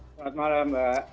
selamat malam mbak